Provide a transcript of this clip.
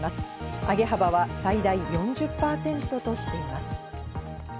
上げ幅は最大４０％としています。